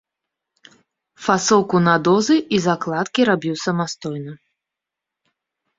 Фасоўку на дозы і закладкі рабіў самастойна.